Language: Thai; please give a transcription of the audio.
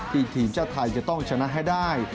ทีมชาติไทยจะต้องชนะให้ได้